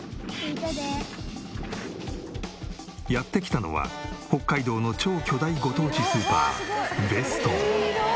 やって来たのは北海道の超巨大ご当地スーパーＢＥＳＴＯＭ。